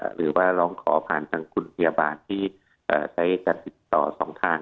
หรือว่าร้องขอผ่านทางคุณพยาบาลที่ใช้การติดต่อสองทาง